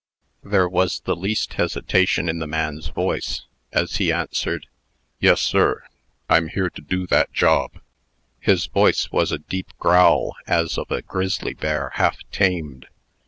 There was the least hesitation in the man's voice, as he answered, "Yes, sir. I'm here to do that job." His voice was a deep growl, as of a grizzly bear half tamed.